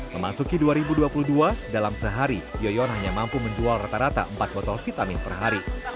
memasuki dua ribu dua puluh dua dalam sehari yoyon hanya mampu menjual rata rata empat botol vitamin per hari